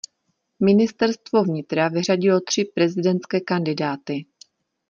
Ministerstvo vnitra vyřadilo tři prezidentské kandidáty.